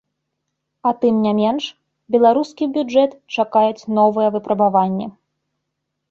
А тым не менш, беларускі бюджэт чакаюць новыя выпрабаванні.